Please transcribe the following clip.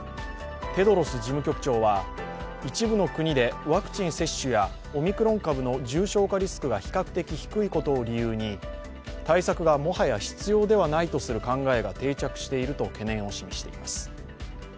テドロス事務局長は、一部の国でワクチン接種やオミクロン株の重症化リスクが比較的低いことを理由に対策がもはや必要ではないとする考えが定着していると懸念を示しています。